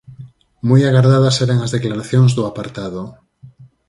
Moi agardadas eran as declaracións do apartado.